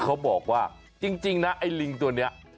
เขาบอกว่าจริงนะไอ้ลิงตัวนี้